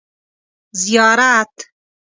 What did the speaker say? زیارت